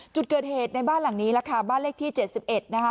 จุดเกิดเหตุในบ้านหลังนี้แหละค่ะบ้านเลขที่เจ็ดสิบเอ็ดนะฮะ